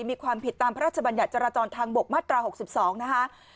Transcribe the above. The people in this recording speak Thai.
มีความผิดตามพระราชบัญญาจราจรทางบกมาตราหกสิบสองนะฮะ